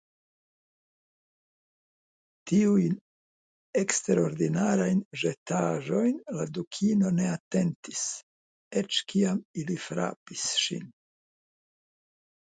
Tiujn eksterordinarajn ĵetaĵojn la Dukino ne atentis, eĉ kiam ili frapis ŝin.